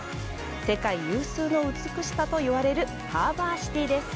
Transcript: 世界有数の美しさと言われるハーバーシティです。